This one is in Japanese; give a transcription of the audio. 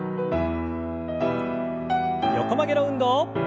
横曲げの運動。